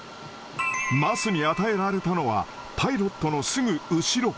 桝に与えられたのはパイロットのすぐ後ろ。